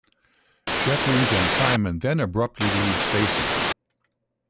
Jeffries and Simon then abruptly leave Stacey.